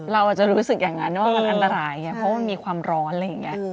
เราอาจจะรู้สึกอย่างนั้นว่ามันอันตรายไงเพราะว่ามันมีความร้อนอะไรอย่างนี้